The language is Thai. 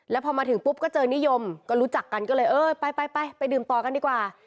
แล้วพอมาถึงปุ๊บก็เจอนิยมก็รู้จักกันก็เลยเออไปไปดื่มต่อกันดีกว่า